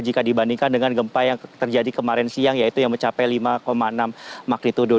jika dibandingkan dengan gempa yang terjadi kemarin siang yaitu yang mencapai lima enam magnitudo